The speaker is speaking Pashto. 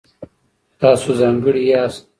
تاسو ځانګړي یاست.